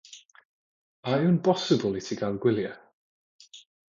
A yw'n bosibl i ti gael gwyliau?